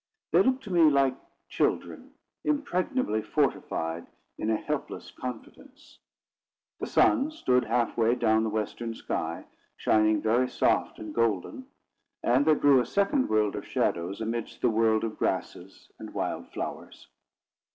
They looked to me like children impregnably fortified in a helpless confidence. The sun stood half way down the western sky, shining very soft and golden; and there grew a second world of shadows amidst the world of grasses and wild flowers.